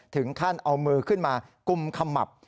ถึงขั้นเอามือขึ้นมากุมขมับ